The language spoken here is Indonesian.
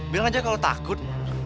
bilang aja kalo takut